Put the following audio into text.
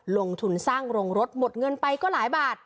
ลงทุนสร้างโรงรถหมดเงินไปก็หลายบาท